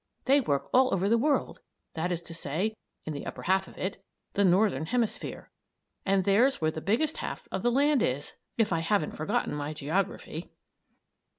They work all over the world, that is to say, in the upper half of it the Northern Hemisphere; and there's where the biggest half of the land is, if I haven't forgotten my geography.